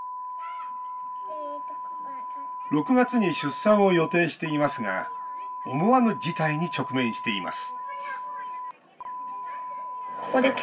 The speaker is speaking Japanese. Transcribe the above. ６月に出産を予定していますが思わぬ事態に直面しています